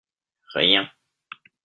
Rien.